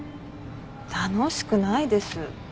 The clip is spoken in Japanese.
楽しくないです。